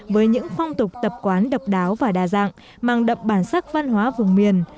với những phong tục tập quán độc đáo và đa dạng mang đậm bản sắc văn hóa vùng miền